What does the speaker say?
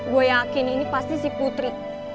gue yakin ini pasti si putri